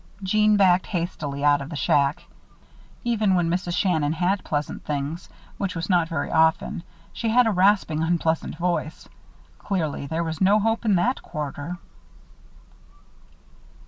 Jeanne backed hastily out of the shack. Even when Mrs. Shannon said pleasant things, which was not very often, she had a rasping, unpleasant voice. Clearly there was no hope in that quarter.